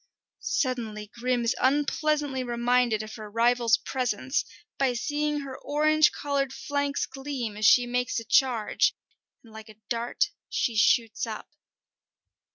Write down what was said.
Suddenly Grim is unpleasantly reminded of her rival's presence by seeing her orange coloured flanks gleam as she makes a charge, and like a dart she shoots up.